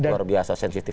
luar biasa sensitif